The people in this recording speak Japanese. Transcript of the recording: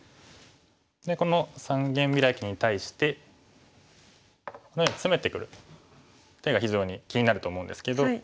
でこの三間ビラキに対してこのようにツメてくる手が非常に気になると思うんですけど。